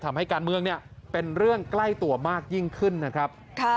ทำให้การเมืองเนี่ยเป็นเรื่องใกล้ตัวมากยิ่งขึ้นนะครับ